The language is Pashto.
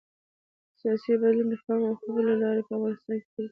سیاسي بدلون د تفاهم او خبرو له لارې په افغانستان کې بریالی کېږي